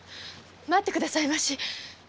待ってくださいまし！